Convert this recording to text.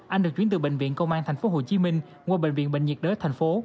anh được chuyển từ bệnh viện công an tp hcm qua bệnh viện bệnh nhiệt đới tp hcm